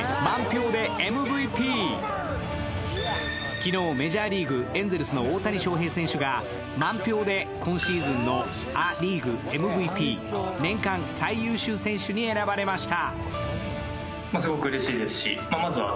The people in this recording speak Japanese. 昨日、メジャーリーグ・エンゼルスの大谷翔平選手が満票で今シーズンのア・リーグＭＶＰ年間最優秀選手に選ばれました。